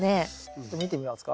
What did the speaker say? ちょっと見てみますか？